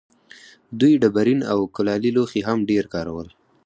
دوی ډبرین او کلالي لوښي هم ډېر کارول.